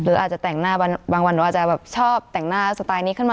อาจจะแต่งหน้าบางวันหนูอาจจะแบบชอบแต่งหน้าสไตล์นี้ขึ้นมา